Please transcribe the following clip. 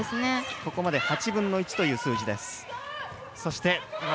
ここまで８分の１という数字。